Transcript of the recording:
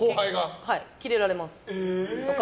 はい、キレられます。